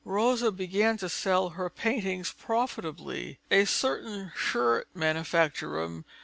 Rosa began to sell her paintings profitably. A certain shirt manufacturer, M.